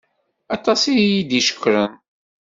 Aṭas iyi-d-icekkren.